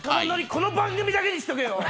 この番組だけにしとけよ！